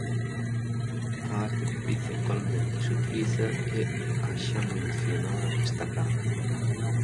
A arte que principalmente se utiliza é a xa mencionada estacada.